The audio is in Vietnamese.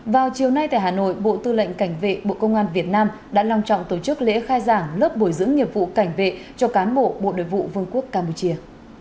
vào chiều nay tại hà nội bộ tư lệnh cảnh vệ bộ công an việt nam đã long trọng tổ chức lễ khai giảng lớp bồi dưỡng nghiệp vụ cảnh vệ cho cán bộ bộ đội vụ vương quốc campuchia